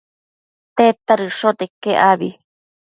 tedta dëshote iquec abi?